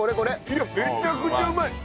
いやめちゃくちゃうまい。